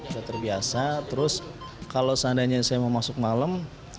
sudah terbiasa terus kalau seandainya saya mau masuk malam